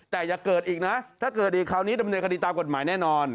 ถ้าเกิดอีกคราวนี้จะมีในคดีตากฎหมายแน่นอน